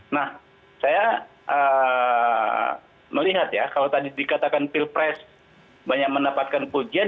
nah saya melihat ya kalau tadi dikatakan pilpres banyak mendapatkan pujian